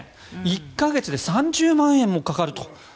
１か月で３０万円もかかると。